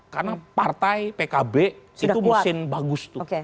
karena partai pkb itu mesin bagus tuh